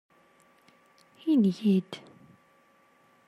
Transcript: Iniyi-d!